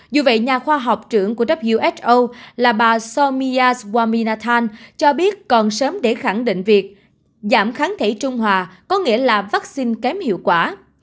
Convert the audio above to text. dù vậy nhà khoa học trưởng của wso là bà somiya swaminathan cho biết còn sớm để khẳng định việc giảm kháng thể trung hòa có nghĩa là vaccine kém hiệu quả